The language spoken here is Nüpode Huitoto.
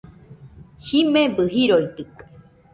Jimebɨ jiroitɨkue